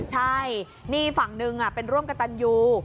ใช่นี่ฝั่งหนึ่งเป็นร่วมกับตันยู